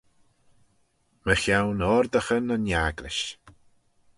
Mychione oardaghyn yn agglish.